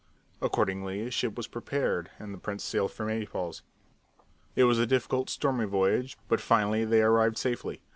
Accordingly, a ship was prepared and the prince sailed for Naples. It was a difficult, stormy voyage, but finally they arrived safely.